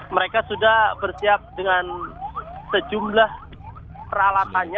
mereka sudah bersiap dengan sejumlah peralatannya